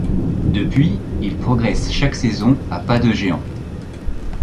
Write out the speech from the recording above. Depuis, il progresse chaque saison à pas de géants.